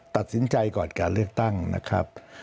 ตัดสินใจก่อนการเลือกตั้งนะครับ